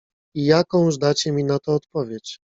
"I jakąż dacie mi na to odpowiedź?"